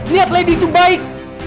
liat lady itu baik